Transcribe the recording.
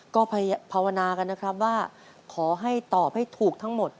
ก็ภาวนากันนะครับว่าขอให้ตอบให้ถูกทั้งหมด